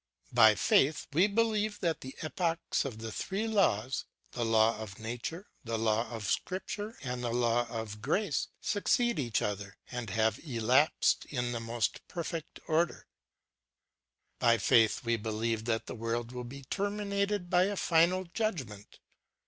by faith we believe that the epochs of tlie three laws ŌĆö tlie law of nature, the law of scripture, and the law of grace ŌĆö succeed each other and have elapsed in the most perfect order ; by faith we believe that the world will be terminated by a final judgment.